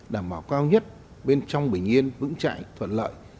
đảm bảo cao nhất bên trong bình yên vững chạy thuận lợi